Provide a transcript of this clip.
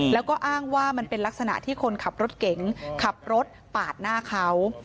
แล้วก็อ้างว่ามันเป็นลักษณะที่คนขับรถเก๋งขับรถปาดหน้าเขา